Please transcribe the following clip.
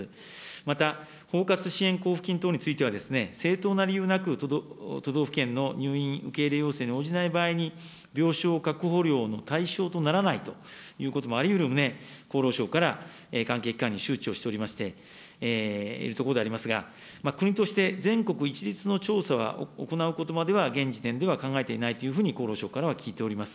また、包括支援交付金等については、正当な理由なく都道府県の入院受け入れ要請に応じない場合に、病床確保料の対象とならないということもありうるんで、厚労省から関係機関に周知をしておるところでありますが、国として全国一律の調査は行うことまでは現時点では考えていないというふうに厚労省からは聞いております。